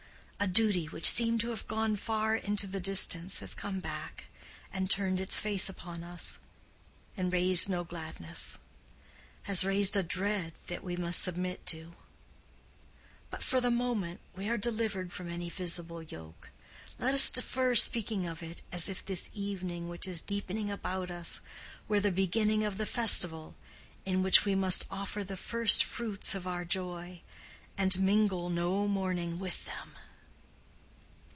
A duty which seemed to have gone far into the distance, has come back and turned its face upon us, and raised no gladness—has raised a dread that we must submit to. But for the moment we are delivered from any visible yoke. Let us defer speaking of it as if this evening which is deepening about us were the beginning of the festival in which we must offer the first fruits of our joy, and mingle no mourning with them."